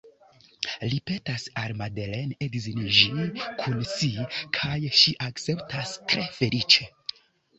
Li petas al Madeleine edziniĝi kun si, kaj ŝi akceptas tre feliĉe.